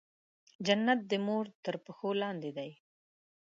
جنت د مور تر پښو لاندې دی.